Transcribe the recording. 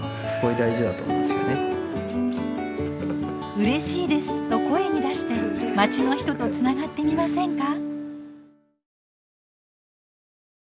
「うれしいです」と声に出してまちの人とつながってみませんか？